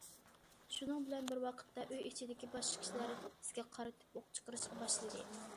شۇنىڭ بىلەن بىر ۋاقىتتا ئۆي ئىچىدىكى باشقا كىشىلەر بىزگە قارىتىپ ئوق چىقىرىشقا باشلىدى.